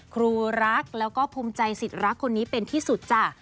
ครูรักแล้วก็ภูมิใจสิทธิ์รักคนนี้เป็นที่สุดจ้ะ